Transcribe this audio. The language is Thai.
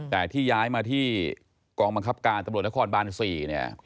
แต่ที่ย้ายมาที่กองบังคับการตำรวจนครบาน๔เนี่ย